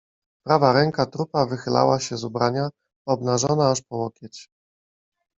"Prawa ręka trupa wychylała się z ubrania, obnażona aż po łokieć."